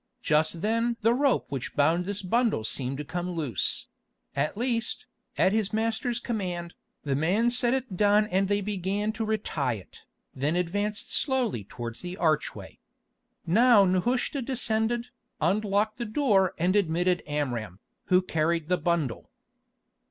Just then the rope which bound this bundle seemed to come loose; at least, at his master's command, the man set it down and they began to retie it, then advanced slowly towards the archway. Now Nehushta descended, unlocked the door and admitted Amram, who carried the bundle.